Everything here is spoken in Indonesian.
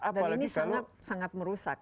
dan ini sangat merusak